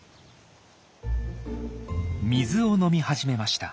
水を飲み始めました。